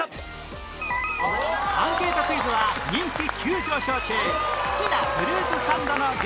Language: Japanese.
アンケートクイズは人気急上昇中好きなフルーツサンドの具